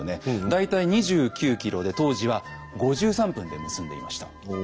大体２９ｋｍで当時は５３分で結んでいました。